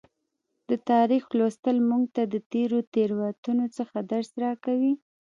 د تاریخ لوستل موږ ته د تیرو تیروتنو څخه درس راکوي.